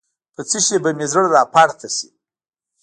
په څه شي باندې به مې زړه راپورته شي.